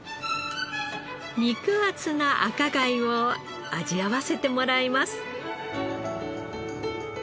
肉厚な赤貝を味わわせてもらいます。